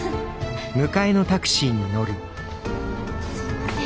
すみません。